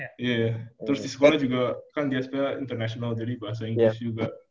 iya terus di sekolah juga kan di spa international jadi bahasa inggris juga